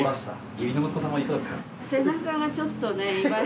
義理の息子さんはいかがですか？